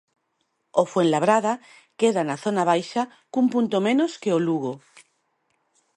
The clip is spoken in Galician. O Fuenlabrada queda na zona baixa, cun punto menos que o Lugo.